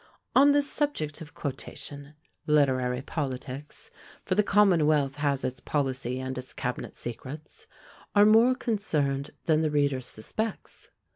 On this subject of quotation, literary politics, for the commonwealth has its policy and its cabinet secrets, are more concerned than the reader suspects.